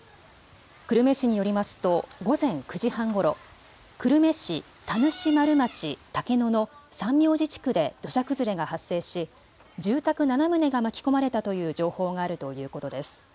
久留米市によりますと午前９時半ごろ久留米市田主丸町竹野の三明寺地区で土砂崩れが発生し住宅７棟が巻き込まれたという情報があるということです。